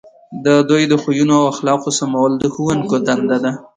د دوی د خویونو او اخلاقو سمول د ښوونکو دنده ده.